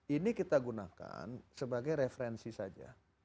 ini kita gunakan sebagai referensi saja